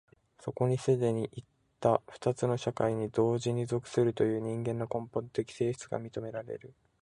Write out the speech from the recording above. そこに既にいった二つの社会に同時に属するという人間の根本的性質が認められる。